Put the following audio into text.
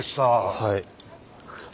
はい。